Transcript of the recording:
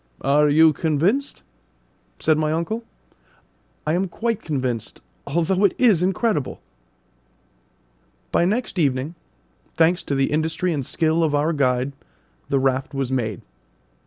"Are you convinced?" said my uncle. "I am quite convinced, although it is incredible!" By next evening, thanks to the industry and skill of our guide, the raft was made.